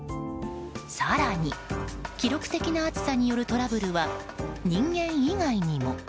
更に、記録的な暑さによるトラブルは人間以外にも。